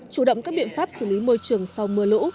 chủ động các biện pháp xử lý môi trường sau mưa lũ